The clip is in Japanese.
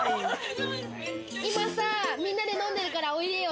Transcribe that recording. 今さ、みんなで飲んでるから、おいでよ。